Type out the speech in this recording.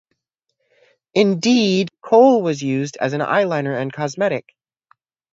Indeed, kohl was used an eyeliner and cosmetic.